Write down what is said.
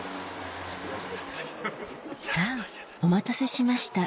さぁお待たせしました